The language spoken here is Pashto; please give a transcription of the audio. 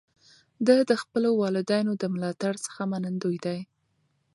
ده د خپلو والدینو د ملاتړ څخه منندوی دی.